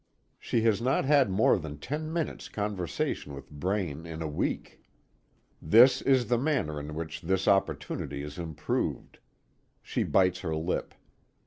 She has not had more than ten minutes conversation with Braine in a week. This is the manner in which this opportunity is improved. She bites her lip.